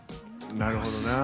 なるほどな。